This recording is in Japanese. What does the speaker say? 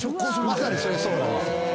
まさにそれそうなんです。